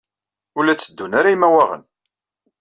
Ur la tteddun ara yimawaɣen.